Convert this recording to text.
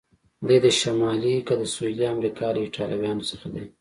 دی د شمالي که د سهیلي امریکا له ایټالویانو څخه دی؟